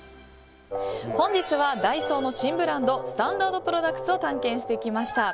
本日はダイソーの新ブランドスタンダードプロダクツを探検してきました。